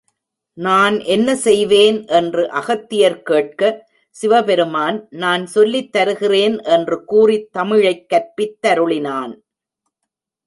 நான் என்ன செய்வேன் என்று அகத்தியர் கேட்க, சிவபெருமான், நான் சொல்லித் தருகிறேன் என்று கூறித் தமிழைக் கற்பித்தருளினான்.